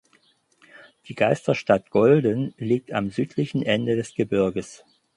Die Geisterstadt "Golden" liegt am südlichen Ende des Gebirges.